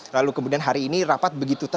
lalu kemudian hari ini rapat begitu